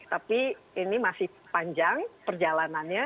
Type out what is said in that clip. tapi ini masih panjang perjalanannya